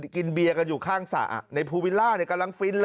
กินเบียร์กันอยู่ข้างสระในภูวิลล่ากำลังฟินเลย